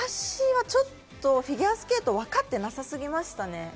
私はちょっとフィギュアスケートを分かってなさすぎましたね。